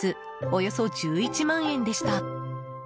およそ１１万円でした。